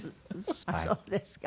あっそうですか。